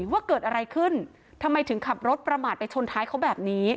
ว่าเกิดอะไรขึ้นทำไมถึงขับรถประมาทไปชนท้ายเขาแบบนี้